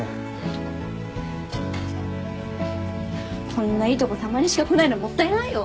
こんないいとこたまにしか来ないのもったいないよ。